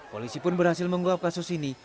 polisi pun berhasil menguap kasus ini